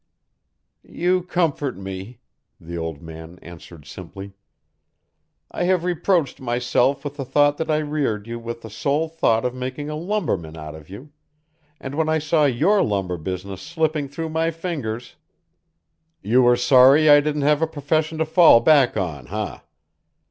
"You comfort me," the old man answered simply. "I have reproached myself with the thought that I reared you with the sole thought of making a lumberman out of you and when I saw your lumber business slipping through my fingers " "You were sorry I didn't have a profession to fall back on, eh?